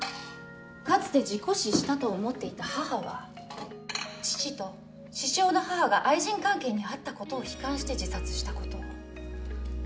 かつて事故死したと思っていた母は父と獅子雄の母が愛人関係にあったことを悲観して自殺したことを。